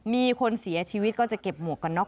มีคนเสียชีวิตก็จะเก็บหมวกกันน็